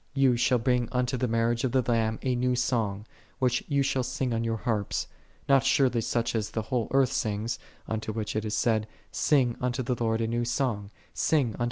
6 Ye shall bring unto the marriage of the Lamb a new sohg, which ye shall sing on your harps. Not surely such as the whole earth singeth, unto which it is said, " Sing unto the Lord a new song; sing unto the ' M;itt.